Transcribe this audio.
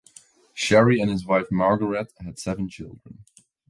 Sherry and his wife Margaret had seven children.